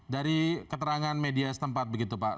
dari keterangan media setempat begitu pak